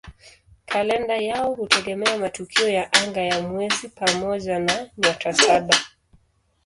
Kalenda yao hutegemea matukio ya anga ya mwezi pamoja na "Nyota Saba".